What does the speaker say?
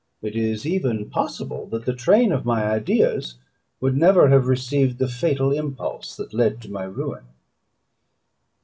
It is even possible, that the train of my ideas would never have received the fatal impulse that led to my ruin.